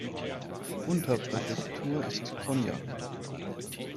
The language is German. Unterpräfektur ist Cognac.